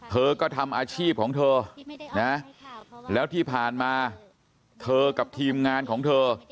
เธอก็ทำอาชีพของเธอนะแล้วที่ผ่านมาเธอกับทีมงานของเธอ